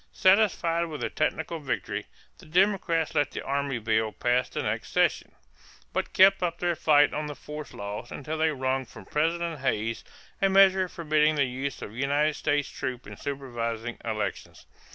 Satisfied with the technical victory, the Democrats let the army bill pass the next session, but kept up their fight on the force laws until they wrung from President Hayes a measure forbidding the use of United States troops in supervising elections.